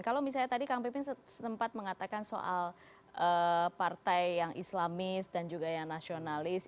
kalau misalnya tadi kang pipin sempat mengatakan soal partai yang islamis dan juga yang nasionalis